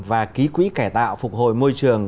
và ký quỹ cải tạo phục hồi môi trường